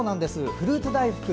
フルーツ大福。